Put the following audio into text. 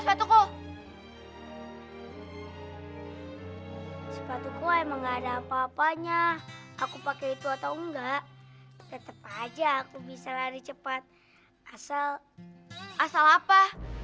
aku pakai itu atau enggak tetep aja aku bisa lari cepat asal asal apa